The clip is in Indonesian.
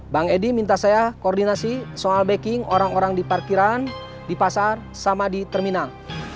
bang edi minta saya koordinasi soal backing orang orang di parkiran di pasar sama di terminal